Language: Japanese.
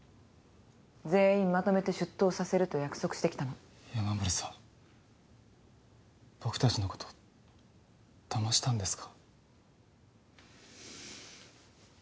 全員まとめて出頭させると約束してきたの山守さん僕たちのことだましたんですか？